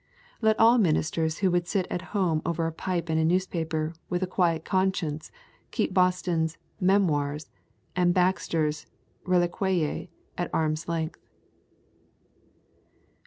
Let all ministers who would sit at home over a pipe and a newspaper with a quiet conscience keep Boston's Memoirs and Baxter's Reliquiae at arm's length.